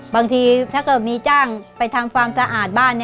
บางทีถ้าเกิดมีจ้างไปทำความสะอาดบ้าน